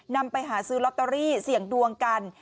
นำไปหาซื้อลอตเตอรี่เสี่ยงดวงกัน